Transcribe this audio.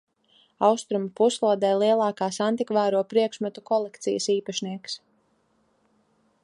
Austrumu puslodē lielākās antikvāro priekšmetu kolekcijas īpašnieks.